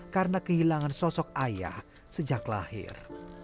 karena kehilangan sosok ayah sejak lahir